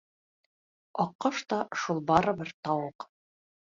Аҡҡош та шул барыбер тауыҡ.